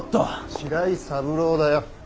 白井三郎だよ。